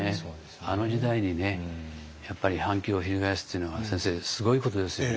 あの時代にやっぱり反旗を翻すっていうのは先生すごいことですよね。